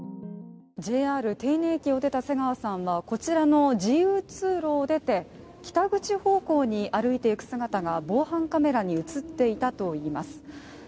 ＪＲ手稲駅を出た瀬川さんはこちらの自由通路を出て北口方向に歩いていく様子が防犯カメラに映っていたといいます。